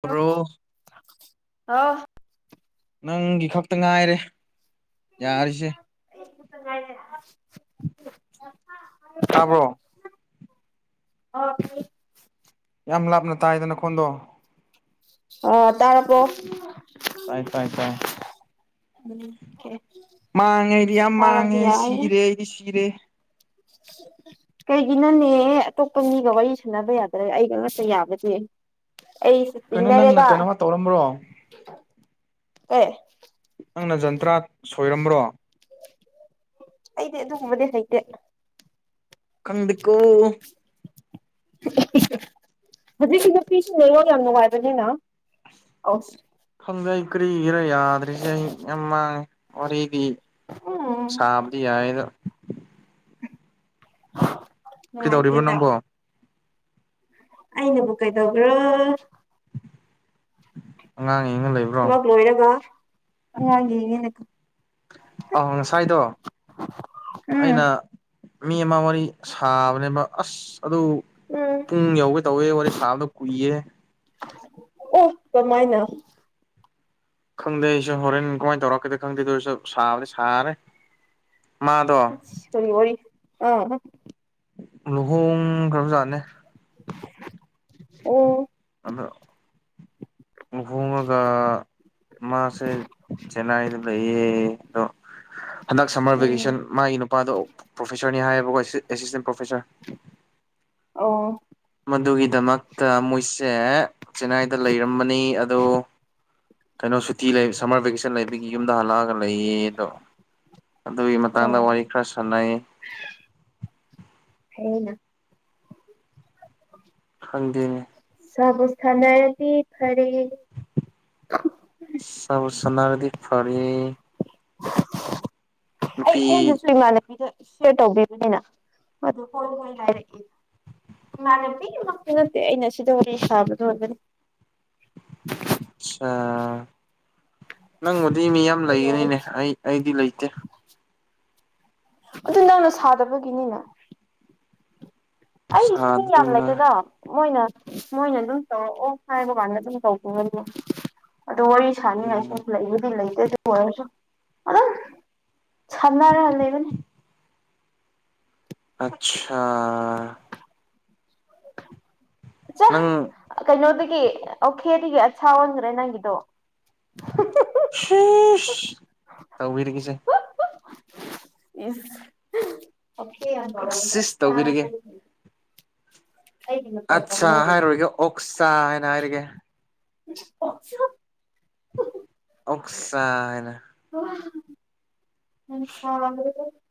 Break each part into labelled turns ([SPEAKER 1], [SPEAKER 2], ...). [SPEAKER 1] Bro
[SPEAKER 2] ꯍꯥꯎ
[SPEAKER 1] ꯅꯪꯒꯤ ꯈꯛꯇ ꯉꯥꯏꯔꯦ ꯌꯥꯔꯤꯁꯦ
[SPEAKER 2] [unintelligible]
[SPEAKER 1] ꯇꯥꯕ꯭ꯔꯣ
[SPEAKER 2] ꯑꯣ [unintelligible]
[SPEAKER 1] ꯌꯥꯝ ꯂꯥꯞꯅ ꯇꯥꯏꯗ ꯅꯈꯣꯟꯗꯣ
[SPEAKER 2] ꯑ ꯇꯔꯕꯣ
[SPEAKER 1] ꯇꯥꯏ ꯇꯥꯏ ꯇꯥꯏ ꯃꯥꯡꯉꯦ ꯑꯩꯗꯤ ꯌꯥꯝ
[SPEAKER 2] ꯇꯥꯔꯗꯤ
[SPEAKER 1] ꯃꯥꯡꯉꯦ
[SPEAKER 2] ꯌꯥꯏꯌꯦ
[SPEAKER 1] ꯁꯤꯔꯦ ꯑꯩꯗꯤ ꯁꯤꯔꯦ
[SPEAKER 2] [unintelligible] ꯀꯩꯒꯤꯅꯣꯅꯦ ꯑꯇꯣꯞꯄ ꯃꯤꯒ ꯋꯥꯔꯤ ꯁꯥꯟꯅꯕ ꯌꯥꯗ꯭ꯔꯒ ꯑꯩꯒ ꯉꯥꯛꯇ ꯌꯥꯕꯗꯤ ꯑꯩꯁꯨ
[SPEAKER 1] ꯀꯩꯅꯣ ꯅꯪꯅ
[SPEAKER 2] ꯇꯤꯡꯅꯔꯦꯗ
[SPEAKER 1] ꯀꯩꯅꯣꯃ ꯇꯧꯔꯝꯕ꯭ꯔꯣ
[SPEAKER 2] ꯑꯦ
[SPEAKER 1] ꯅꯪꯅ ꯖꯟꯇ꯭ꯔꯥ ꯁꯣꯏꯔꯝꯕ꯭ꯔꯣ
[SPEAKER 2] ꯑꯩꯗꯤ ꯑꯗꯨꯒꯨꯝꯕꯗꯤ ꯍꯩꯇꯦ
[SPEAKER 1] ꯈꯪꯗꯦꯀꯣ
[SPEAKER 2] [unintelligible] ꯍꯧꯖꯤꯛꯁꯤ ꯅꯨꯄꯤ [unintelligible] ꯌꯥꯝ ꯅꯨꯡꯉꯥꯏꯕꯅꯤꯅ ꯑ
[SPEAKER 1] ꯈꯪꯗꯦ ꯑꯩ ꯀꯔꯤꯒꯤꯔ ꯌꯥꯗ꯭ꯔꯤꯁꯦ ꯑꯩ ꯌꯥꯝ ꯃꯥꯡꯉꯦ ꯋꯥꯔꯤꯗꯤ
[SPEAKER 2] ꯎꯝ
[SPEAKER 1] ꯁꯥꯥꯕꯗꯤ ꯌꯥꯌꯦꯗ
[SPEAKER 2] [unintelligible]
[SPEAKER 1] ꯈꯩꯗꯧꯔꯤꯕ ꯅꯪꯕꯣ
[SPEAKER 2] ꯑꯩꯅꯕꯨ ꯀꯩꯗꯧꯕ꯭ꯔꯣ
[SPEAKER 1] ꯑꯉꯥꯡ ꯌꯦꯡꯉ ꯂꯩꯌꯨ
[SPEAKER 2] ꯊꯕꯛ ꯂꯣꯏꯔꯒ ꯑꯩ ꯑꯥꯏ ꯗꯤꯒꯤꯅꯦ
[SPEAKER 1] ꯑꯥ ꯉꯁꯥꯏꯗꯣ ꯑꯩꯅ
[SPEAKER 2] [unintelligible]
[SPEAKER 1] ꯃꯤ ꯑꯃ ꯋꯥꯔꯤ ꯁꯥꯕꯅꯦꯕ ꯑꯁ ꯑꯗꯨ
[SPEAKER 2] ꯎꯝ
[SPEAKER 1] ꯄꯨꯡ ꯌꯧꯒꯦ ꯇꯧꯋꯦ ꯋꯥꯔꯤ ꯁꯥꯕꯗꯨ ꯀꯨꯏꯌꯦ
[SPEAKER 2] [unintelligible] ꯑꯣ ꯀꯃꯥꯏꯅ
[SPEAKER 1] ꯈꯪꯗꯦ ꯑꯩꯁꯨ ꯍꯣꯔꯦꯟ ꯀꯃꯥꯏꯅ ꯇꯧꯔꯛꯀꯗꯦ ꯈꯪꯗꯦ ꯑꯗꯨꯁꯨ ꯁꯥꯕꯗꯤ ꯁꯥꯔꯦ ꯃꯥꯗꯣ
[SPEAKER 2] ꯑꯁ ꯀꯔꯤ ꯋꯥꯔꯤ ꯑꯥ
[SPEAKER 1] ꯂꯨꯍꯣꯡ ꯈ꯭ꯔꯕꯖꯥꯠꯅꯦ
[SPEAKER 2] [unintelligible] ꯎꯝ
[SPEAKER 1] ꯑꯗꯨ ꯂꯨꯍꯣꯡꯉꯒ ꯃꯥꯁꯦ ꯆꯦꯟꯅꯥꯏꯗꯥ ꯂꯩꯌꯦ ꯑꯗꯣ ꯍꯟꯗꯛ ꯁꯝꯃꯔ
[SPEAKER 2] ꯎꯝ
[SPEAKER 1] ꯚꯦꯀꯦꯁꯟ ꯃꯥꯒꯤ ꯅꯨꯄꯥꯗꯣ ꯄ꯭ꯔꯣꯐꯦꯁꯔꯅꯤ ꯍꯥꯏꯌꯦꯕꯀꯣ ꯑꯦꯁꯤꯁꯇꯦꯟ ꯄ꯭ꯔꯣꯐꯦꯁꯔ
[SPEAKER 2] [unintelligible] ꯑꯧ
[SPEAKER 1] ꯃꯗꯨꯒꯤꯗꯃꯛꯇ ꯃꯣꯏꯁꯦ ꯆꯦꯟꯅꯥꯏꯗ ꯂꯩꯔꯝꯕꯅꯤ ꯑꯗꯣ ꯀꯩꯅꯣ ꯁꯨꯇꯤ ꯂꯩ ꯁꯝꯃꯔ ꯚꯦꯀꯦꯁꯟ ꯂꯩꯕꯒꯤ ꯌꯨꯝꯗ ꯍꯜꯂꯛꯑꯒ ꯂꯩꯌꯦ ꯑꯗꯣ ꯑꯗꯨꯒꯤ ꯃꯇꯥꯡꯗ ꯋꯥꯔꯤ
[SPEAKER 2] ꯑꯣ
[SPEAKER 1] ꯈꯔ ꯁꯥꯟꯅꯩ
[SPEAKER 2] [unintelligible] [unintelligible]
[SPEAKER 1] ꯈꯪꯗꯦꯅꯦ
[SPEAKER 2] ꯁꯥꯕꯨ ꯁꯥꯟꯅꯔꯗꯤ ꯐꯔꯦ
[SPEAKER 1] ꯁꯥꯕꯨ ꯁꯅꯔꯗꯤ ꯐꯔꯦ
[SPEAKER 2] [unintelligible] ꯑꯩ
[SPEAKER 1] ꯅꯨꯄꯤ
[SPEAKER 2] ꯑꯩꯅꯁꯨ ꯏꯃꯥꯟꯅꯕꯤꯗ ꯁꯤꯌꯔ ꯇꯧꯕꯤꯕꯅꯤꯅ ꯃꯣꯏꯗꯣ ꯍꯣꯏ ꯍꯣꯏ ꯍꯥꯏꯔꯛꯑꯦ ꯏꯃꯥꯟꯅꯕꯤꯒꯤꯃꯛꯇ ꯅꯠꯇꯦ ꯑꯩꯅ ꯁꯤꯗ ꯋꯥꯔꯤ ꯁꯥꯕꯗꯣ [unintelligible]
[SPEAKER 1] ꯑꯠꯁꯥ ꯅꯪꯕꯨꯗꯤ ꯃꯤ ꯌꯥꯝ
[SPEAKER 2] ꯑꯩꯒ ꯋꯥꯔꯤ
[SPEAKER 1] ꯂꯩꯒꯅꯤꯅꯦ ꯑꯩ ꯑꯩꯗꯤ ꯂꯩꯇꯦ
[SPEAKER 2] ꯑꯗꯨ ꯅꯪꯅ ꯁꯥꯗꯕꯒꯤꯅꯤꯅ ꯑꯩꯒꯤꯁꯨ ꯃꯤ
[SPEAKER 1] ꯁꯥꯗꯕꯩ
[SPEAKER 2] ꯌꯥꯝ
[SPEAKER 1] ꯉꯥꯏ
[SPEAKER 2] ꯂꯩꯇꯦꯗꯥ ꯃꯣꯏꯅ ꯃꯣꯏꯅ ꯑꯗꯨꯝ ꯇꯧꯔꯛꯑꯣ ꯍꯥꯏꯕ ꯀꯥꯟꯗ ꯑꯗꯨꯝ ꯇꯧꯕꯋꯅꯤ ꯑꯗꯣ ꯋꯥꯔꯤ ꯁꯥꯅꯤꯡꯉꯥꯏ
[SPEAKER 1] ꯎꯝ
[SPEAKER 2] ꯁꯨꯝ ꯂꯩꯕꯨꯗꯤ ꯂꯩꯇꯦ ꯑꯣꯏꯔꯁꯨ ꯑꯥ ꯁꯥꯟꯅꯔꯒ ꯂꯩꯕꯅꯤ
[SPEAKER 1] ꯑꯠꯁꯥ
[SPEAKER 2] ꯆꯥ
[SPEAKER 1] ꯅꯪ
[SPEAKER 2] ꯀꯩꯅꯣꯗꯒꯤ ꯑꯣꯈꯦꯗꯒꯤ ꯑꯠꯁꯥ ꯑꯣꯟꯈ꯭ꯔꯦ ꯅꯪꯒꯤꯗꯣ
[SPEAKER 1] [unintelligible] ꯇꯧꯕꯤꯔꯒꯦꯁꯦ
[SPEAKER 2] ꯏꯁ ꯑꯣꯈꯦ ꯌꯥꯝ
[SPEAKER 1] ꯁꯤꯁ ꯇꯧꯕꯤꯔꯒꯦ
[SPEAKER 2] [unintelligible] ꯑꯩꯒꯤ ꯃꯇꯧ
[SPEAKER 1] ꯑꯠꯆꯥ
[SPEAKER 2] ꯇꯝꯕ ꯍꯧꯔꯅꯤ
[SPEAKER 1] ꯍꯥꯏꯔꯣꯏꯒꯦ ꯑꯣꯛꯆꯥꯥ ꯍꯥꯏꯅ ꯍꯥꯏꯔꯒꯦ
[SPEAKER 2] [unintelligible]
[SPEAKER 1] ꯑꯣꯛꯁꯥ ꯍꯥꯏꯅ
[SPEAKER 2] [unintelligible]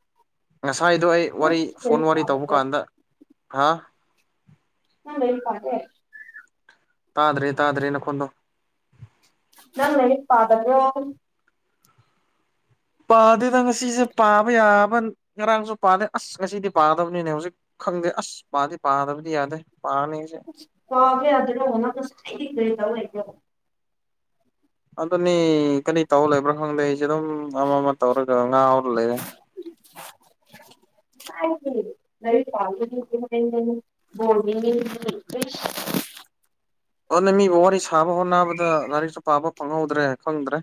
[SPEAKER 1] ꯉꯁꯥꯏꯗꯣ ꯑꯩ
[SPEAKER 2] ꯅꯪ
[SPEAKER 1] ꯋꯥꯔꯤ ꯐꯣꯟ
[SPEAKER 2] ꯂꯥꯏꯔꯤꯛ
[SPEAKER 1] ꯋꯥꯔꯤ ꯇꯧꯕ
[SPEAKER 2] ꯄꯥꯗꯕ꯭ꯔꯣ
[SPEAKER 1] ꯀꯥꯟꯗ ꯍꯥ
[SPEAKER 2] [unintelligible]
[SPEAKER 1] ꯇꯥꯗ꯭ꯔꯦ ꯇꯥꯗ꯭ꯔꯦ ꯅꯈꯣꯟꯗꯣ
[SPEAKER 2] ꯅꯪ ꯂꯩꯔꯤꯛ ꯄꯥꯗꯕ꯭ꯔꯣ
[SPEAKER 1] ꯄꯥꯗꯦꯗ ꯉꯁꯤꯁꯦ ꯄꯥꯕ ꯌꯥꯕ ꯉꯔꯥꯡꯁꯨ ꯄꯥꯗꯦ ꯑꯁ ꯉꯁꯤꯗꯤ ꯄꯥꯗꯕꯅꯤꯅꯦ ꯍꯧꯖꯤꯛ ꯈꯪꯗꯦ ꯑꯁ ꯄꯥꯗꯤ ꯄꯥꯗꯕꯗꯤ ꯌꯥꯗꯦ ꯄꯥꯔꯅꯤ ꯉꯁꯤ
[SPEAKER 2] ꯄꯕꯥ ꯌꯗꯥꯔꯣ ꯅꯪ ꯉꯁꯥꯏꯗꯒꯤ ꯀꯔꯤ ꯇꯧꯔꯥ ꯂꯩꯒꯦꯕ
[SPEAKER 1] ꯑꯗꯨꯅꯤ ꯀꯔꯤ ꯇꯧ ꯂꯩꯕ꯭ꯔꯣ ꯈꯪꯗꯦ ꯑꯩꯁꯨ ꯗꯨꯝ ꯑꯃ ꯑꯃ ꯇꯧꯔꯒ ꯉꯥꯎꯔꯒ ꯂꯩꯔꯦ [inaudible]
[SPEAKER 2] ꯉꯁꯥꯏꯗꯒꯤ ꯂꯥꯏꯔꯤꯛ ꯄꯥꯕꯗꯣ [unintelligible]
[SPEAKER 1] ꯑꯗꯨꯅ ꯃꯤꯕꯨ ꯋꯥꯔꯤ ꯁꯥꯕ ꯍꯣꯠꯅꯕꯗ ꯂꯥꯏꯔꯤꯛꯁꯨ ꯄꯥꯕ ꯐꯪꯍꯧꯗ꯭ꯔꯦ ꯈꯪꯗ꯭ꯔꯦ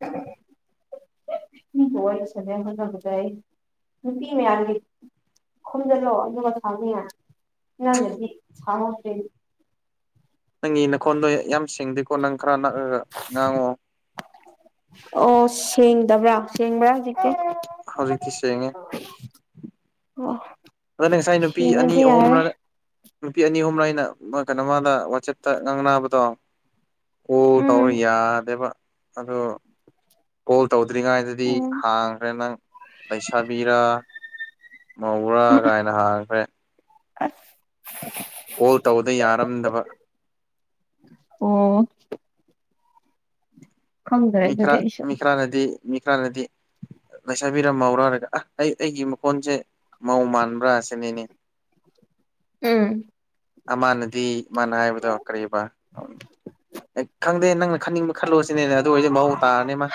[SPEAKER 2] [unintelligible] ꯎ ꯍ ꯁꯗ ꯃꯥꯏ ꯄꯤ ꯃ ꯌꯥꯦ꯫ ꯈꯨꯝꯗ ꯂꯣ ꯑꯗꯨ ꯁꯥꯎꯅꯤ ꯌꯥ ꯅꯪꯅꯗꯤ ꯁꯥꯎꯉꯗ꯭ꯔꯦꯅꯦ꯫
[SPEAKER 1] ꯅꯪꯒꯤ ꯅꯈꯣꯟꯗꯣ ꯌꯥꯝ ꯁꯤꯡꯗꯦꯀꯣ ꯅꯪ ꯈꯔ ꯅꯛꯑꯒ ꯉꯥꯡꯉꯣ꯫
[SPEAKER 2] ꯑꯣ ꯁꯦꯡꯗꯕ꯭ꯔꯥ ꯁꯦꯡꯕ꯭ꯔꯥ ꯍꯧ
[SPEAKER 1] ꯍꯧꯖꯤꯛꯇꯤ ꯁꯦꯡꯉꯦ
[SPEAKER 2] ꯑꯣ
[SPEAKER 1] ꯑꯗꯨꯅ ꯉꯁꯥꯏ ꯅꯨꯄꯤ ꯑꯅꯤ
[SPEAKER 2] ꯁꯦꯡꯉꯗꯤ
[SPEAKER 1] ꯑꯍꯨꯝ
[SPEAKER 2] ꯌꯥꯔꯦ
[SPEAKER 1] ꯅꯨꯄꯤ ꯑꯅꯤ ꯑꯍꯨꯝꯅ ꯑꯩꯅ ꯀꯩꯅꯣꯃꯗ ꯋꯥꯆꯦꯞꯇ ꯉꯥꯡꯅꯕꯗꯣ ꯑꯣ
[SPEAKER 2] ꯎꯝ
[SPEAKER 1] ꯇꯧꯔꯣ ꯌꯥꯗꯦꯕ ꯑꯗꯨ ꯀꯣꯜ ꯇꯧꯗ꯭ꯔꯤꯉꯩꯗꯗꯤ
[SPEAKER 2] ꯎꯝ
[SPEAKER 1] ꯍꯥꯡꯈ꯭ꯔꯦ ꯅꯪ ꯂꯩꯁꯥꯕꯤꯔ ꯃꯧꯔꯥ ꯀꯥꯏꯅ ꯍꯥꯡꯈ꯭ꯔꯦ꯫
[SPEAKER 2] ꯑꯁ
[SPEAKER 1] ꯀꯣꯜ ꯇꯧꯕꯗ ꯌꯥꯔꯝꯗꯕ
[SPEAKER 2] ꯑꯣ ꯈꯪꯗ꯭ꯔꯦ ꯑꯗꯨꯗꯤ
[SPEAKER 1] ꯃꯤꯈꯔꯥ
[SPEAKER 2] ꯑꯩꯁꯨ
[SPEAKER 1] ꯃꯤ ꯈꯔꯥꯅꯗꯤ ꯃꯤ ꯈꯔꯥꯅꯗꯤ꯫ ꯂꯩꯁꯥꯕꯤꯔꯝ ꯃꯧꯔꯥꯔꯒ ꯑ ꯑꯩ ꯑꯩꯒꯤ ꯃꯈꯣꯟꯁꯦ ꯃꯧ ꯃꯥꯟꯕ꯭ꯔꯥ ꯑꯁꯤꯅꯤꯅꯦ꯫
[SPEAKER 2] ꯎꯝ
[SPEAKER 1] ꯃꯥꯅꯗꯤ ꯃꯥꯅ ꯍꯥꯏꯕꯗꯣ ꯀꯔꯤꯕ ꯎ ꯈꯪꯗꯦ ꯅꯪ ꯈꯟꯅꯤꯡꯕ ꯈꯜꯂꯣꯁꯤꯅꯦ ꯑꯗꯨ ꯑꯣꯏꯔꯗꯤ ꯃꯧ ꯇꯥꯔꯅꯤ ꯃꯥ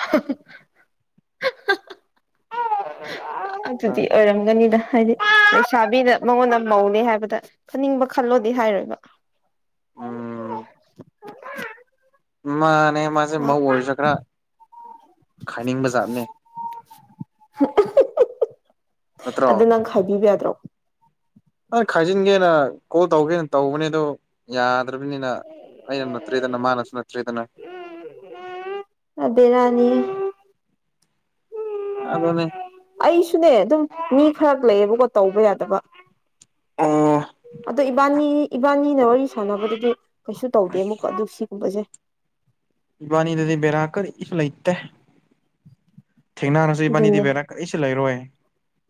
[SPEAKER 2] ꯑꯗꯨꯗꯤ ꯑꯣꯏꯔꯝꯒꯅꯤꯗ ꯍꯥꯏꯗꯤ ꯂꯩꯁꯥꯕꯤꯅ ꯃꯉꯣꯟꯗ ꯃꯧꯅꯦ ꯍꯥꯏꯕꯗ ꯈꯅꯤꯡꯕ ꯈꯜꯂꯣꯗꯤ ꯍꯥꯏꯔꯣꯏꯕ
[SPEAKER 1] ꯎꯝ ꯃꯥꯅꯦ ꯃꯥꯁꯦ
[SPEAKER 2] ꯃꯥ
[SPEAKER 1] ꯃꯧ ꯑꯣꯏꯔꯁꯨ ꯈꯔ ꯈꯥꯏꯅꯤꯡꯕ ꯖꯥꯠꯅꯦ꯫ ꯅꯠꯇ꯭ꯔꯣ
[SPEAKER 2] ꯑꯗꯨ ꯅꯪ ꯈꯥꯏꯕꯤꯕ ꯌꯥꯗ꯭ꯔꯣ
[SPEAKER 1] ꯅꯪ ꯈꯥꯏꯖꯤꯟꯒꯦꯅ ꯀꯣꯜ ꯇꯧꯒꯦꯅ ꯇꯧꯕꯅꯦ ꯑꯗꯣ ꯌꯥꯗ꯭ꯔꯕꯅꯤꯅ ꯑꯩꯅ ꯅꯠꯇ꯭ꯔꯦꯗꯅ ꯃꯥꯅꯁꯨ ꯅꯠꯇ꯭ꯔꯦꯗꯅ꯫
[SPEAKER 2] ꯕꯤꯔꯥꯅꯤꯍꯦ꯫
[SPEAKER 1] ꯑꯗꯨꯅꯦ꯫
[SPEAKER 2] ꯑꯩꯁꯨꯅꯦ ꯑꯗꯨꯝ ꯃꯤ ꯈꯔ ꯂꯩꯌꯦꯕꯀꯣ ꯇꯧꯕ ꯌꯥꯗꯕ
[SPEAKER 1] ꯑꯣ
[SPEAKER 2] ꯑꯗꯣ ꯏꯕꯥꯅꯤ ꯏꯕꯥꯅꯤꯅ ꯋꯥꯔꯤ ꯁꯥꯟꯅꯕꯗꯨꯗꯤ ꯀꯩꯁꯨ ꯇꯧꯗꯦ ꯑꯃꯨꯛ ꯑꯗꯨ ꯁꯤꯒꯨꯝꯕꯁꯦ꯫
[SPEAKER 1] ꯏꯕꯥꯅꯤꯗꯗꯤ ꯕꯦꯔꯥ ꯀꯔꯤꯁꯨ ꯂꯩꯇꯦ꯫ ꯊꯦꯡꯅꯍꯡꯔꯁꯨ ꯏꯕꯥꯅꯤꯗꯤ
[SPEAKER 2] ꯑꯗꯨꯅꯦ
[SPEAKER 1] ꯕꯦꯔꯥ ꯀꯔꯤꯁꯨ ꯂꯩꯔꯣꯏ꯫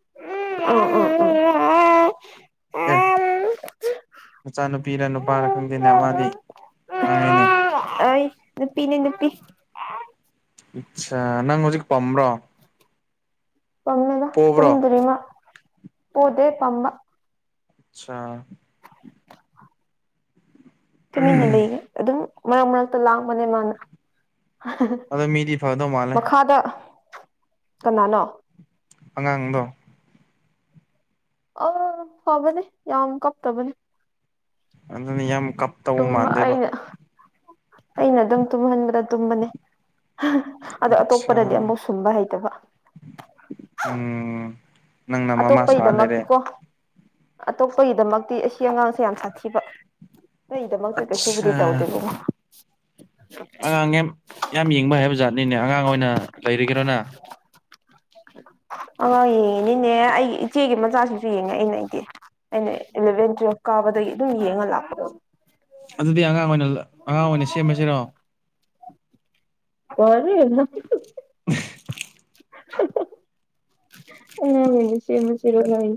[SPEAKER 2] [inaudible]
[SPEAKER 1] ꯑꯦ ꯃꯆꯥꯅꯨꯄꯤꯔ ꯅꯨꯄꯥꯔ ꯈꯪꯗꯦꯅꯦ ꯃꯥꯗꯤ ꯉꯥꯡꯉꯤꯅꯦ꯫
[SPEAKER 2] ꯑꯩ ꯅꯨꯄꯤꯅꯦ ꯅꯨꯄꯤ꯫
[SPEAKER 1] ꯑꯆꯥ ꯅꯪ ꯍꯧꯖꯤꯛ ꯄꯝꯕ꯭ꯔꯣ꯫
[SPEAKER 2] ꯄꯝꯃꯦꯒ
[SPEAKER 1] ꯄꯣꯕ꯭ꯔꯣ
[SPEAKER 2] ꯇꯨꯝꯗ꯭ꯔꯤꯃ ꯄꫭꯗꯦ ꯄꯝꯕ꯫
[SPEAKER 1] ꯑꯆꯥ
[SPEAKER 2] ꯇꯨꯃꯤꯟꯅ ꯂꯩꯒꯦ ꯑꯗꯨꯝ ꯃꯔꯛ ꯃꯔꯛꯇ ꯂꯥꯡꯕꯅꯦ ꯃꯥꯅ
[SPEAKER 1] ꯑꯗꯣ ꯃꯤꯗꯤ ꯐꯗꯧ ꯃꯥꯜꯂꯦ
[SPEAKER 2] ꯃꯈꯥꯗ ꯀꯅꯥꯅꯣ
[SPEAKER 1] ꯑꯉꯥꯡꯗꯣ
[SPEAKER 2] ꯑꯣ ꯍꯡꯐꯕꯅꯦ ꯌꯥꯝ ꯀꯞ ꯇꯕꯅꯦ꯫
[SPEAKER 1] ꯑꯗꯨꯅ ꯌꯥꯝ ꯀꯞꯇꯧ
[SPEAKER 2] ꯇꯨꯝꯃ
[SPEAKER 1] ꯃꯥꯟꯗꯦꯕ
[SPEAKER 2] ꯑꯩꯅ ꯑꯩꯅ ꯑꯗꯨꯝ ꯇꯨꯝꯍꯟꯕꯗ ꯇꯨꯝꯕꯅꯦ꯫ ꯑꯗꯣ ꯑꯇꯣꯞꯄꯅꯗꯤ
[SPEAKER 1] ꯑꯆꯥ
[SPEAKER 2] ꯑꯃꯨꯛ ꯁꯨꯝꯕ ꯍꯩꯇꯕ
[SPEAKER 1] ꯎꯝ ꯅꯪꯅ ꯃꯃꯥ ꯁꯥ ꯂꯩꯔꯦ
[SPEAKER 2] ꯑꯇꯣꯞꯄꯒꯤꯗꯃꯛꯇꯤꯀꯣ ꯑꯇꯣꯞꯄꯒꯤꯗꯃꯛꯇꯤ ꯑꯁꯤ ꯑꯉꯥꯡꯁꯦ ꯌꯥꯝ ꯁꯥꯊꯤꯕ ꯑꯩꯒꯤꯗꯃꯛꯇ ꯀꯩꯁꯨꯕꯨꯗꯤ
[SPEAKER 1] ꯑꯠꯁꯥ
[SPEAKER 2] ꯇꯧꯗꯦꯗꯀꯣ꯫
[SPEAKER 1] ꯑꯉꯥꯡ ꯌꯥꯝ ꯌꯥꯝ ꯌꯦꯡꯕ ꯍꯥꯏꯕ ꯖꯥꯠꯅꯤꯅꯦ ꯑꯉꯥꯡ ꯑꯣꯏꯅ ꯂꯩꯔꯤꯒꯔꯣ ꯅꯪ꯫
[SPEAKER 2] ꯑ ꯌꯦꯡꯉꯤꯅꯤꯅꯦ ꯑꯩꯒꯤ ꯏꯆꯦꯒꯤ ꯃꯆꯥꯁꯤꯡꯁꯨ ꯌꯦꯡꯉꯛꯏꯅꯦ ꯑꯩꯗꯤ ꯑꯩꯅ ꯏꯂꯚꯦꯟ ꯇꯨꯋꯦꯜꯞ ꯀꯥꯕꯗꯒꯤ ꯑꯗꯨꯝ ꯌꯦꯡꯉ ꯂꯥꯛꯄꯗꯣ
[SPEAKER 1] ꯑꯗꯨꯗꯤ ꯑꯉꯥꯡ ꯑꯣꯏꯅ ꯑꯉꯥꯡ ꯑꯣꯏꯅ ꯁꯦꯝꯃꯁꯤꯔꯣ
[SPEAKER 2] ꯐꯔꯦ
[SPEAKER 1] [inaudible]
[SPEAKER 2] ꯑꯉꯥꯡ ꯑꫭꯏꯅ ꯁꯦꯝꯃꯁꯤꯔꯒꯥꯏ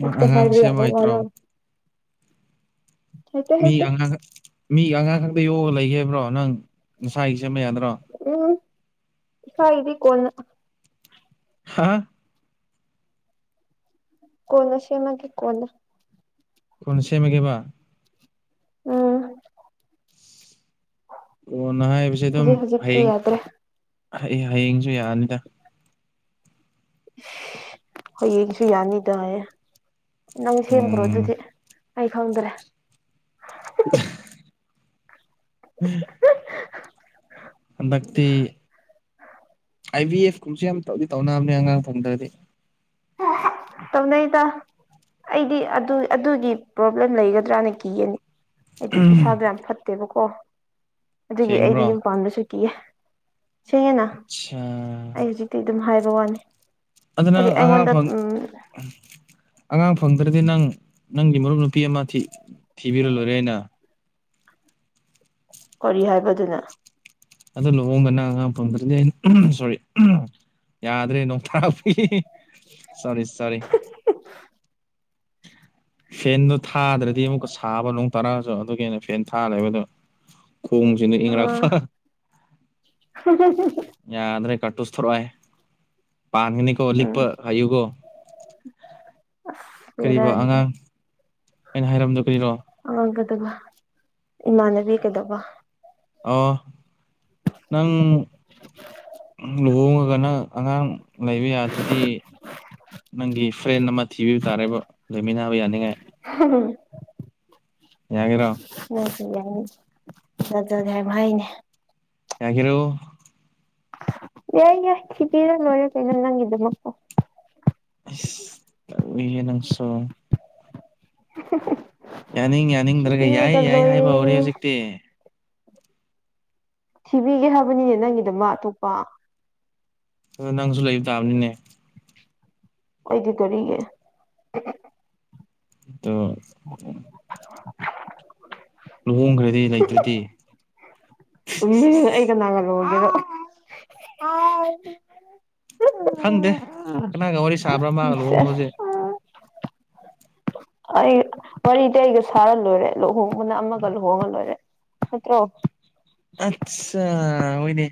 [SPEAKER 1] ꯅꯪ
[SPEAKER 2] ꯍꯦꯛꯇ
[SPEAKER 1] ꯑꯉꯥꯡ
[SPEAKER 2] ꯍꯥꯏꯕ ꯌꯥꯕ
[SPEAKER 1] ꯁꯦꯝꯕ
[SPEAKER 2] ꯋꯥꯔ
[SPEAKER 1] ꯍꯩꯇ꯭ꯔꯣ
[SPEAKER 2] ꯍꯩꯇꯦ
[SPEAKER 1] ꯃꯤ
[SPEAKER 2] ꯍꯩꯇꯦ
[SPEAKER 1] ꯑꯉꯥꯡ ꯃꯤ ꯑꯉꯥꯡ ꯈꯛꯇ ꯌꯣꯛꯒ ꯂꯩꯕ꯭ꯔꯣ ꯅꯪ ꯅꯁꯥꯒꯤ ꯁꯦꯝꯕ ꯌꯥꯗ꯭ꯔꯣ
[SPEAKER 2] ꯎꯝ ꯏꯁꯥꯒꯤꯗꯤ ꯀꯣꯟꯅ
[SPEAKER 1] ꯍꯥ
[SPEAKER 2] ꯀꯣꯟꯅ ꯁꯦꯝꯃꯒꯤ ꯀꫭꯟꯅ
[SPEAKER 1] ꯀꯣꯟꯅ ꯁꯦꯝꯃꯒꯦꯕ
[SPEAKER 2] ꯎꯝ
[SPEAKER 1] ꯀꫭꯟꯅ ꯍꯥꯏꯕꯁꯦ ꯑꯗꯨꯝ
[SPEAKER 2] ꯍꯧꯖꯤꯛ ꯍꯧꯖꯤꯛꯇꯤ
[SPEAKER 1] ꯍꯌꯦꯡ
[SPEAKER 2] ꯌꯥꯗ꯭ꯔꯦ
[SPEAKER 1] ꯍꯌꯦꯡꯁꯨ ꯌꯥꯔꯅꯤꯗ
[SPEAKER 2] ꯍꯌꯦꯡꯁꯨ ꯌꯥꯅꯤꯗꯌꯦ ꯅꯪ ꯁꯦꯝꯈ꯭ꯔꯣ
[SPEAKER 1] ꯎꯝ
[SPEAKER 2] ꯑꯗꯨꯗꯤ ꯑꯩ ꯈꯪꯗ꯭ꯔꯦ
[SPEAKER 1] [inaudible] ꯎꯝ ꯍꯟꯗꯛꯇꯤ ꯑꯥꯏ ꯕꯤ ꯑꯦꯐ ꯀꯨꯝꯁ ꯌꯥꯝ ꯇꯧꯗꯤ ꯇꯧꯅꯕꯅꯦ ꯑꯉꯥꯡ ꯐꯪꯗ꯭ꯔꯗꯤ
[SPEAKER 2] ꯇꯧꯅꯩꯗꯥ ꯑꯩꯗꯤ ꯑꯗꯨ ꯑꯗꯨꯒꯤ ꯄ꯭ꯔꯣꯕ꯭ꯂꯦꯝ ꯂꯩꯒꯗ꯭ꯔꯅ ꯀꯤꯒꯅꯤ ꯍꯥꯏꯗꯤ ꯏꯁꯥꯗꯣ ꯌꯥꯝ ꯐꯠꯇꯦꯕꯀꯣ ꯑꯗꯨꯒꯤ ꯑꯩꯗꯤ
[SPEAKER 1] ꯁꯦꯡꯕ꯭ꯔꯣ
[SPEAKER 2] ꯌꯨꯝ ꯄꯥꯗꯁꯨ ꯀꯤꯌꯦꯦ ꯁꯦꯡꯉꯅ
[SPEAKER 1] ꯑꯠꯆꯥ
[SPEAKER 2] ꯑꯩ ꯍꯧꯖꯤꯛꯇꯤ ꯑꯗꯨꯝ ꯍꯥꯏꯕ ꯋꯥꯅꯤ
[SPEAKER 1] ꯑꯗꯨꯅ
[SPEAKER 2] ꯍꯥꯏꯗꯤ
[SPEAKER 1] ꯑ
[SPEAKER 2] ꯑꯩꯉꯣꯟꯗ
[SPEAKER 1] ꯐ
[SPEAKER 2] ꯎꯝ
[SPEAKER 1] ꯑꯉꯥꯡ ꯐꯪꯗ꯭ꯔꯗꯤ ꯅꯪ ꯅꯪꯒꯤ ꯃꯔꯨꯞ ꯅꯨꯄꯤ ꯑꯃ ꯊꯤꯕꯤꯔ ꯂꯣꯏꯔꯦ ꯑꯅ
[SPEAKER 2] ꯀꯔꯤ ꯍꯥꯏꯕꯗꯨꯅ
[SPEAKER 1] ꯑꯣ ꯂꯨꯍꯣꯡꯗꯅ ꯑꯉꯥꯡ ꯐꯗꯗꯤ ꯑ ꯁꯣꯔꯤ ꯌꯥꯗ꯭ꯔꯦ ꯅꯣꯡ ꯇꯔꯥ ꯐ ꯁꯣꯔꯤ ꯁꯣꯔꯤ ꯐꯦꯟꯗꯣ ꯊꯥꯗ꯭ꯔꯗꯤ ꯑꯃꯨꯛꯀ ꯁꯥꯕ ꯅꯣꯡ ꯇꯥꯔꯛꯑꯁꯨ ꯑꯗꯨꯒꯤ ꯑꯣꯏꯅ ꯐꯦꯟ ꯊꯥꯜꯔꯦꯕꯗꯣ ꯈꯣꯡꯁꯤꯅ ꯏꯪꯔꯥꯛꯄ
[SPEAKER 2] ꯎꯝ
[SPEAKER 1] ꯌꯥꯗ꯭ꯔꯦ ꯀꯥꯔꯇꯨꯁ ꯊꯣꯔꯛꯑꯣꯦ ꯄꯥꯟꯒꯅꯤꯀꯣ
[SPEAKER 2] ꯎꯝ
[SPEAKER 1] ꯂꯤꯛꯄ ꯍꯥꯏꯌꯨꯒꯣ
[SPEAKER 2] [inaudible]
[SPEAKER 1] ꯀꯔꯤꯕ ꯑꯉꯥꯡ ꯑꯩꯅ ꯍꯥꯏꯔꯝꯗꯣ ꯀꯔꯤꯅꯣ
[SPEAKER 2] ꯑ ꯀꯗꯕ ꯏꯃꯥꯟꯅꯕꯤ ꯀꯗꯧꯕ
[SPEAKER 1] ꯑꯣ ꯅꯪ ꯂꯨꯍꯣꯡꯉꯒ ꯅꯪ ꯑꯉꯥꯡ ꯂꯩꯕ ꯌꯥꯗ꯭ꯔꯗꯤ ꯅꯪꯒꯤ ꯐ꯭ꯔꯦꯟ ꯑꯃ ꯊꯤꯕꯤꯕ ꯇꯥꯔꯦꯕ ꯂꯩꯃꯤꯟꯅꯕ ꯌꯥꯅꯤꯡꯉꯥꯏ
[SPEAKER 2] [unintelligible]
[SPEAKER 1] ꯌꯥꯒꯤꯔꯣ
[SPEAKER 2] ꯅꯠꯇ ꯌꯥꯏꯅꯤ ꯅꯠꯇꯁꯨ ꯍꯥꯏꯕ ꯍꯥꯏꯩꯅꯦ
[SPEAKER 1] ꯌꯥꯒꯤꯔꯣ
[SPEAKER 2] ꯌꯥꯏ ꯌꯥ ꯀꯗꯤꯔ ꯅꯣ ꯀꯩꯅ ꯅꯪꯗ ꯃꯀ
[SPEAKER 1] ꯌꯦ ꯅꯪꯁꯨꯣ
[SPEAKER 2] [unintelligible]
[SPEAKER 1] ꯌꯥꯅꯤꯡ ꯌꯥꯅꯤꯡꯗ꯭ꯔꯒ ꯌꯥꯏ
[SPEAKER 2] ꯊꯤꯕꯤꯔꯒ
[SPEAKER 1] ꯌꯥꯏ ꯍꯥꯏꯕ ꯍꯧꯔꯦ
[SPEAKER 2] ꯂꯣꯏꯔꯦ
[SPEAKER 1] ꯍꯧꯖꯤꯛꯇꯤ
[SPEAKER 2] ꯁꯤꯕꯤꯒꯦ ꯍꯥꯏꯕꯅꯤꯅꯦ ꯅꯪꯒꯤꯗꯨꯃ ꯑꯇꯣꯞꯄ
[SPEAKER 1] ꯑꯗ ꯅꯪꯁꯨ ꯂꯩꯕ ꯇꯥꯕꯅꯤꯅꯦ
[SPEAKER 2] ꯑꯣꯏꯣꯏꯗꯗꯔꯤꯒ
[SPEAKER 1] ꯇꯣ ꯂꯨꯍꯣꯡꯈ꯭ꯔꯗꯤ ꯂꯩꯇ꯭ꯔꯗꯤ
[SPEAKER 2] ꯎꯝ ꯑꯩꯒ ꯅꯒꯂꯗꯣ
[SPEAKER 1] ꯈꯪꯗꯦ ꯀꯅꯥꯒ ꯋꯥꯔꯤ ꯁꯥꯕ꯭ꯔꯥ ꯃꯥꯒ ꯂꯨꯍꯣꯡꯕꯁꯦ
[SPEAKER 2] [unintelligible] ꯑꯩ ꯋꯥꯔꯤꯗꯤ ꯑꯩꯒ ꯁꯥꯔ ꯂꯣꯏꯔꯦ ꯂꯨꯍꯣꯡꯕꯅ ꯑꯃꯒ ꯂꯨꯍꯣꯡꯉ ꯂꯣꯏꯔꯦ ꯅꯠꯇ꯭ꯔꯣ
[SPEAKER 1] ꯑꯆꯥ ꯑꯣꯏꯣꯏꯅꯦ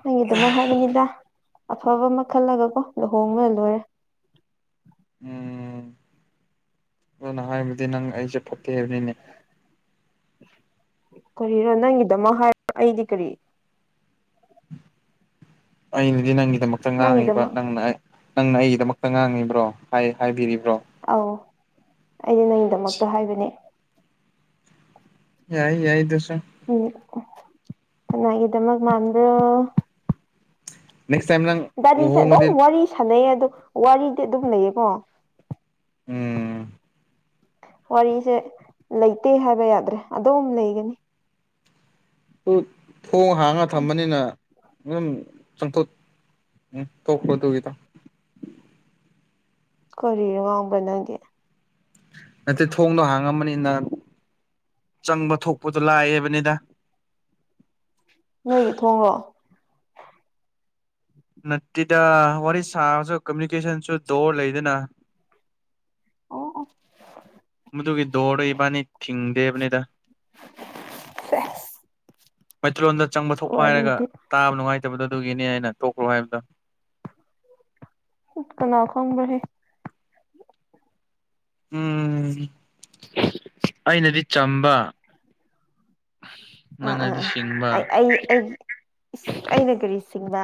[SPEAKER 2] ꯅꯪꯒꯤ ꯑꯗꯨꯃꯛ ꯍꯥꯏꯕꯅꯤꯗ ꯑꯐꯕ ꯑꯃ ꯈꯜꯂꯒ ꯀꯣ ꯂꯨꯍꯣꯡꯉ ꯂꯣꯏꯔꯦ
[SPEAKER 1] ꯎꯝ ꯑꯗꯨꯅ ꯍꯥꯏꯕꯗꯤ ꯅꯪ ꯑꯩꯁꯦ ꯐꯠꯇꯦ ꯍꯥꯏꯕꯅꯤꯅꯦ
[SPEAKER 2] ꯀꯔꯤꯅꯣ ꯅꯪꯒꯤꯗꯃꯛ ꯍꯥꯏ ꯑꯩꯗꯤ ꯀꯔꯤ
[SPEAKER 1] ꯑꯩꯅꯗꯤ ꯅꯪꯒꯤꯗꯃꯛꯇ ꯉꯥꯡꯉꯤꯕ
[SPEAKER 2] ꯅꯪꯒꯤꯗꯃꯛ
[SPEAKER 1] ꯅꯪꯅ ꯅꯪꯅ ꯑꯩꯒꯤꯗꯃꯛꯇ ꯉꯥꯡꯉꯤꯕ꯭ꯔꯣ ꯍꯥꯏꯕꯤꯔꯤꯕ꯭ꯔꯣ
[SPEAKER 2] ꯑꯧ ꯑꯩꯅ ꯅꯪꯒꯤꯗꯃꯛꯇ ꯍꯥꯏꯕꯅꯦ
[SPEAKER 1] ꯌꯥꯏ ꯌꯥꯏꯗꯁꯨ
[SPEAKER 2] ꯎꯝ ꯆꯅꯥꯒꯤꯗꯃꯛ ꯃꯥꯟꯕ꯭ꯔꯣ
[SPEAKER 1] ꯅꯦꯛꯁ ꯇꯥꯏꯝ ꯅꯪ
[SPEAKER 2] ꯒꯥꯔꯤꯁꯦ ꯑꯗꯨꯝ
[SPEAKER 1] ꯂꯨꯍꯣꯡꯕꯗꯤ
[SPEAKER 2] ꯋꯥꯔꯤ ꯁꯥꯟꯅꯩ ꯑ ꯋꯥꯔꯤꯗꯤ ꯑꯗꯨꯝ ꯂꯩꯌꯦꯀꯣ
[SPEAKER 1] ꯎꯝ
[SPEAKER 2] ꯋꯥꯔꯤꯁꯦ ꯂꯩꯇꯦ ꯍꯥꯏꯕ ꯌꯥꯗ꯭ꯔꯦ ꯑꯗꯨꯝ ꯂꯩꯒꯅꯤ
[SPEAKER 1] ꯊꯣꯡ ꯍꯥꯡꯉ ꯊꯝꯕꯅꯤꯅ ꯝ ꯆꯪꯊꯣꯛ ꯎꯝ ꯊꯣꯛꯄꯗꯨꯒꯤꯗ
[SPEAKER 2] ꯀꯣꯔꯤꯔꯣ ꯉꯥꯡꯕ꯭ꯔꯥ ꯅꯪꯗꯤ
[SPEAKER 1] ꯅꯠꯇꯦ ꯊꯣꯡꯗꯣ ꯍꯥꯡꯉꯝꯕꯅꯤꯅ ꯆꯪꯕ ꯊꯣꯛꯄꯗꯣ ꯂꯥꯛꯑꯕꯅꯤꯗ
[SPEAKER 2] ꯅꯣꯏꯒꯤ ꯊꯣꯡꯡꯂꯣ
[SPEAKER 1] ꯅꯠꯇꯦꯗ ꯋꯥꯔꯤ ꯁꯥꯕꯁꯨ ꯀꯃꯨꯅꯤꯀꯦꯁꯟꯁꯨ ꯗꯣꯔ ꯂꯩꯗꯅ
[SPEAKER 2] ꯑꯣ ꯑꯣ
[SPEAKER 1] ꯃꯗꯨꯒꯤ ꯗꯣꯔꯗ ꯏꯕꯥꯅꯤ ꯊꯤꯡꯗꯦꯕꯅꯤꯗ
[SPEAKER 2] ꯁꯦꯁ
[SPEAKER 1] ꯃꯩꯇꯩꯂꯣꯟꯗ ꯆꯪꯕ ꯊꯣꯛꯄ ꯍꯥꯏꯔꯒ
[SPEAKER 2] ꯋꯥꯔꯤꯗꯤ
[SPEAKER 1] ꯇꯥꯕ ꯅꯨꯡꯉꯥꯏꯇꯕꯗꯣ ꯑꯗꯨꯒꯤꯅꯤ ꯍꯥꯏꯅ ꯇꯣꯛꯈ꯭ꯔꯣ ꯍꯥꯏꯕꯗꯣ
[SPEAKER 2] ꯀꯅꯥ ꯈꯣꯡꯕꯍꯦ
[SPEAKER 1] ꯎꯝ ꯑꯩꯅꯗꯤ ꯆꯝꯕ
[SPEAKER 2] ꯑꯥ ꯑꯥ
[SPEAKER 1] ꯅꯪꯅꯗꯤ
[SPEAKER 2] ꯑꯥ
[SPEAKER 1] ꯁꯤꯡꯕ
[SPEAKER 2] ꯑꯩ ꯑꯩ ꯑꯩ ꯑꯩꯅ ꯀꯔꯤ ꯁꯤꯡꯕ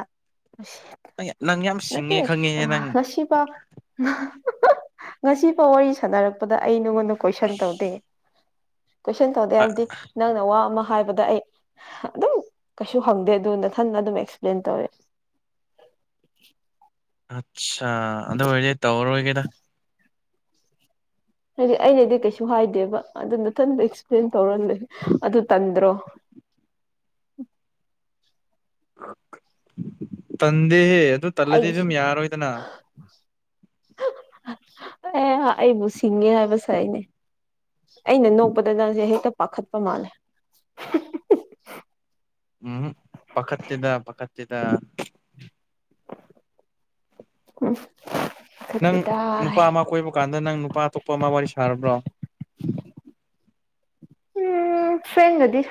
[SPEAKER 1] ꯑꯩ ꯅꯪ ꯌꯥꯝ
[SPEAKER 2] ꯅꯠꯇꯦ
[SPEAKER 1] ꯁꯤꯡꯉꯦ ꯈꯪꯉꯦꯍꯦ ꯅꯪ
[SPEAKER 2] ꯉꯁꯤ ꯄ ꯉꯁꯤꯐꯥꯎ ꯋꯥꯔꯤ ꯁꯥꯟꯅꯔꯛꯄꯗ ꯑꯩ ꯅꯉꯣꯟꯗ ꯀꯣꯏꯁꯟ ꯇꯧꯗꯦ ꯀꯣꯏꯁꯟ ꯇꯧꯗꯦ ꯍꯥꯏꯕꯗꯤ ꯅꯪꯅ ꯋꯥ ꯑꯃ ꯍꯥꯏꯕꯗ ꯑꯩ ꯑꯗꯨꯝ ꯀꯩꯁꯨ ꯍꯪꯗꯦ ꯑꯗꯨ ꯅꯊꯟꯅ ꯑꯗꯨꯝ ꯑꯦꯛꯁꯄ꯭ꯂꯦꯟ ꯇꯧꯋꯦ
[SPEAKER 1] ꯑꯠꯆꯥ ꯑꯗꯨ ꯑꯣꯏꯔꯗꯤ ꯇꯧꯔꯔꯣꯏꯒꯦꯗ
[SPEAKER 2] [unintelligible] ꯍꯥꯏꯗꯤ ꯑꯩꯅꯗꯤ ꯀꯩꯁꯨ ꯍꯥꯏꯗꯦꯕ ꯑꯗꯨ ꯅꯊꯟꯗ ꯑꯦꯛꯁꯄ꯭ꯂꯦꯟ ꯇꯧꯔ ꯂꯩ ꯑꯗꯨ ꯇꯟꯗ꯭ꯔꯣ
[SPEAKER 1] ꯇꯟꯗꯦꯍꯦ ꯑꯗꯨ ꯇꯜꯂꯗꯤ ꯑꯗꯨꯝ
[SPEAKER 2] ꯑꯩꯁꯦ
[SPEAKER 1] ꯌꯥꯔꯣꯏꯗꯅ
[SPEAKER 2] ꯑꯦ ꯑꯩꯕꯨ ꯁꯤꯡꯉꯦ ꯍꯥꯏꯕ ꯁꯥꯏꯅꯦ ꯑꯩꯅ ꯅꯣꯛꯄꯗ ꯅꯪꯁꯦ ꯍꯦꯛꯇ ꯄꯥꯈꯠꯄ ꯃꯥꯜꯂꯦ
[SPEAKER 1] ꯎꯝ ꯄꯈꯠꯇꯦꯗ ꯄꯈꯠꯇꯦꯗ
[SPEAKER 2] [unintelligible]
[SPEAKER 1] ꯅꯪ
[SPEAKER 2] ꯄꯥꯈꯠꯇꯦꯗ
[SPEAKER 1] ꯅꯨꯄꯥ
[SPEAKER 2] ꯍꯥꯏ
[SPEAKER 1] ꯑꯃ ꯀꯣꯏꯕ ꯀꯥꯟꯗ ꯅꯪ ꯅꯨꯄꯥ ꯑꯇꯣꯞꯄ ꯑꯃ ꯋꯥꯔꯤ ꯁꯥꯔꯕ꯭ꯔꯣ
[SPEAKER 2] ꯎꯝ ꯐꯦꯡ ꯉꯗꯤ